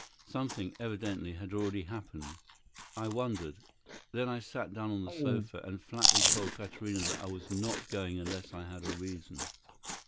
Something, evidently, had already happened. I wondered.... Then I sat down on the sofa, and flatly told Katarina that I was not going unless I had a reason.